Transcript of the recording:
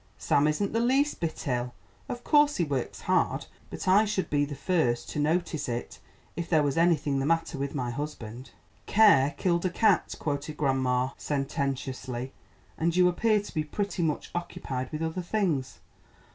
"Sam isn't the least bit ill. Of course he works hard, but I should be the first to notice it if there was anything the matter with my husband." "Care killed a cat," quoted grandma sententiously, "and you appear to be pretty much occupied with other things.